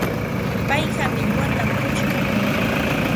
Payqa millwatam puchkan.